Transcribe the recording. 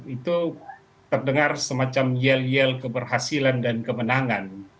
itu terdengar semacam yel yel keberhasilan dan kemenangan